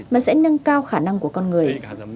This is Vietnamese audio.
mà sẽ nâng cao khả năng của con người